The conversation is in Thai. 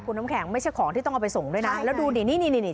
คุณน้ำแข็งไม่ใช่ของที่ต้องเอาไปส่งด้วยนะแล้วดูนี่นี่นี่นี่